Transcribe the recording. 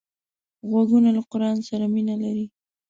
غوږونه له قرآن سره مینه لري